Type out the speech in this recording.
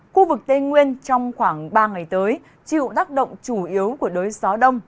khu vực tây nguyên trong khoảng ba ngày tới chịu tác động chủ yếu của đới gió đông